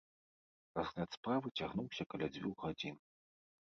Разгляд справы цягнуўся каля дзвюх гадзін.